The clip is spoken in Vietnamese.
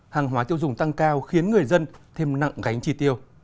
hàng hóa tiêu dùng tăng cao khiến người dân thêm nặng gánh chi tiêu